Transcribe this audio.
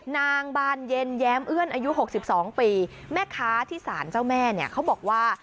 นางบานเย็นแย้มเอื้อนอายุ๖๒ปีแม่ค้าที่สารเจ้าแม่เนี่ยเขาบอกว่า